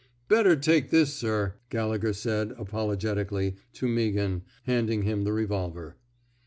Better take this, sir,'' Gallegher said, apologetically, to Meaghan, handing him the revolver.